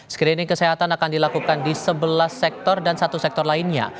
screening kesehatan akan dilakukan di sebelas sektor dan satu sektor lainnya